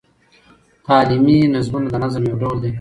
تعلیمي نظمونه د نظم یو ډول دﺉ.